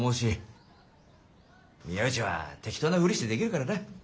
宮内は適当なフリしてできるからな。